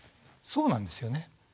そうなんですよね。